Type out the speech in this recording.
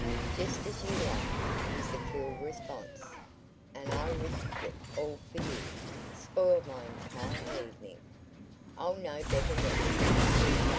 "Just as you like," was the cool response. "And I risked it all for you spoiled my entire evening. I'll know better next time!"